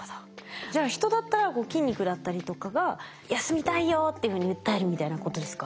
じゃあ人だったら筋肉だったりとかが「休みたいよ」っていうふうに訴えるみたいなことですか？